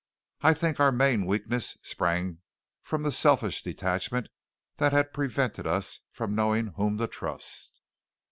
I think our main weakness sprang from the selfish detachment that had prevented us from knowing whom to trust.